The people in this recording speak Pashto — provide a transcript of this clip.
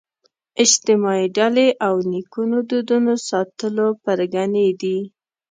اجتماعي ډلې او نیکونو دودونو ساتلو پرګنې دي